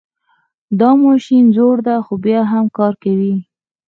دا ماشین زوړ ده خو بیا هم کار کوي